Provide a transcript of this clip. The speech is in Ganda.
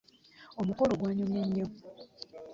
Omukolo gwanyumye nyo.